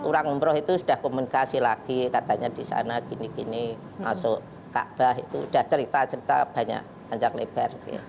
pulang umroh itu sudah komunikasi lagi katanya di sana gini gini masuk ka'bah itu udah cerita cerita banyak panjang lebar